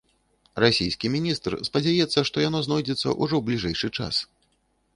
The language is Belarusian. Расійскі міністр спадзяецца, што яно знойдзецца ўжо ў бліжэйшы час.